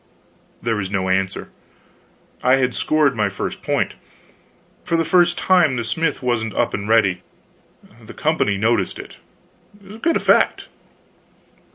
There was no answer. I had scored my first point! For the first time, the smith wasn't up and ready. The company noticed it. Good effect.